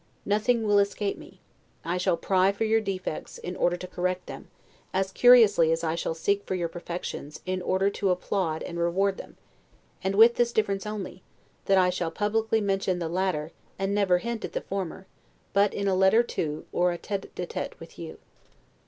Nothing will escape me: I shall pry for your defects, in order to correct them, as curiously as I shall seek for your perfections, in order to applaud and reward them, with this difference only, that I shall publicly mention the latter, and never hint at the former, but in a letter to, or a tete d tete with you.